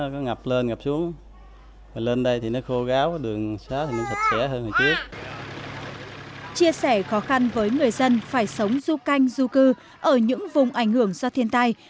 chia sẻ khó khăn với người dân phải sống du canh du cư ở những vùng ảnh hưởng do thiên tai